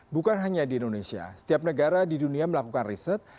bukan hanya di indonesia setiap negara di dunia melakukan riset